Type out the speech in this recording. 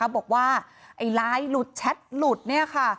บอกว่าไอ้ไลน์หลุดแชทหลุดเนี่ยค่ะ